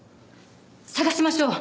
探しましょう。